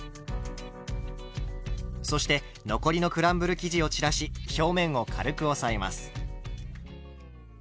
そして残りのクランブル生地を散らし表面を軽く押さえます。